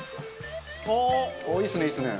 いいですねいいですね。